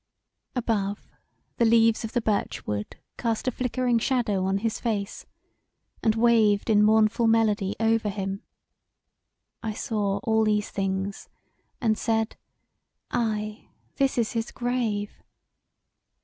Above, the leaves of the beech wood cast a flickering shadow on his face, and waved in mournful melody over him I saw all these things and said, "Aye, this is his grave!"